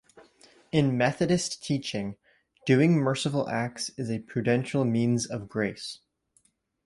In Methodist teaching, doing merciful acts is a prudential means of grace.